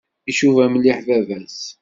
Icuba mliḥ baba-s.